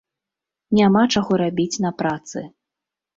Няма чаго рабіць на працы.